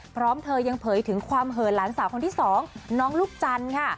พร้อมเธอยังเผยถึงความเหินหลานสาวคนที่สองน้องลูกจันทร์ค่ะ